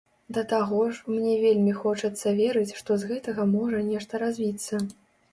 Да таго ж, мне вельмі хочацца верыць, што з гэтага можа нешта развіцца.